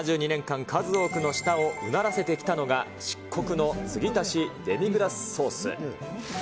７２年間、数多くの舌をうならせてきたのが、漆黒の継ぎ足しデミグラスソース。